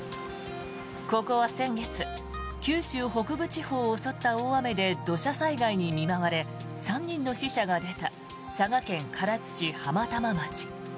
ここは先月九州北部地方を襲った大雨で土砂災害に見舞われ３人の死者が出た佐賀県唐津市浜玉町。